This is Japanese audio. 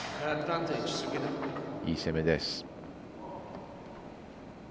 いい攻めです。